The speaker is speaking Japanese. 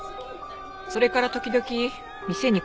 それから時々店に来るように。